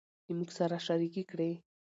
له موږ سره شريکې کړي